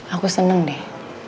aku seneng deh